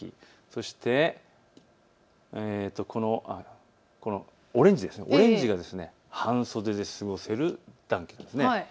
そしてこのオレンジが半袖で過ごせる暖気です。